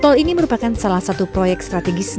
tol ini merupakan salah satu proyek strategis